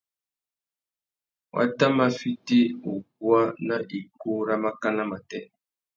Wa tà mà fiti uguá ná ukú râ mákànà matê.